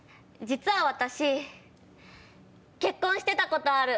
実は私結婚してたことある。